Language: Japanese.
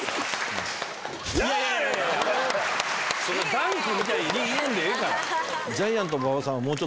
ダンクみたいに入れんでええから。